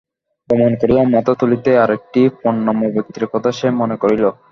প্রণাম করিয়া মাথা তুলিতেই আর একটি প্রণম্য ব্যক্তির কথা সে মনে করিল।